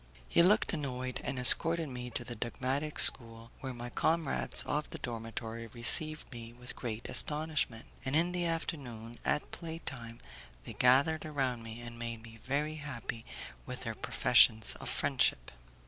He looked annoyed, and escorted me to the dogmatic school, where my comrades of the dormitory received me with great astonishment, and in the afternoon, at play time, they gathered around me and made me very happy with their professions of friendship.